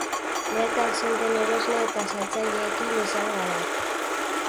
Bertan zeuden erosle eta saltzaileekin izan gara.